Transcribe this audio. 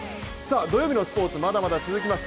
土曜日のスポーツ、まだまだ続きます。